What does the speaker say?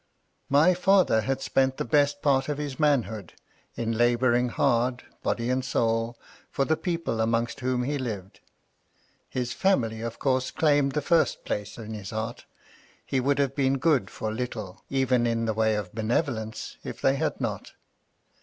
My father had spent the best years of his manhood in labouring hard, body and soul, for the people amongst whom he lived. His family, of course, claimed the first place in his heart ; he would have been good for little, even in the way of benevo lence, if they had not.